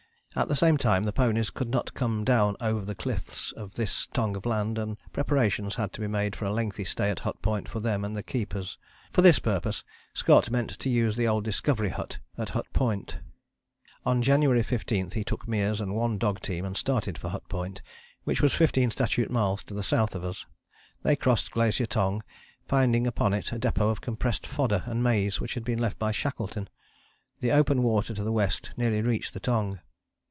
At the same time the ponies could not come down over the cliffs of this tongue of land, and preparations had to be made for a lengthy stay at Hut Point for them and their keepers. For this purpose Scott meant to use the old Discovery hut at Hut Point. On January 15 he took Meares and one dog team, and started for Hut Point, which was fifteen statute miles to the south of us. They crossed Glacier Tongue, finding upon it a depôt of compressed fodder and maize which had been left by Shackleton. The open water to the west nearly reached the Tongue.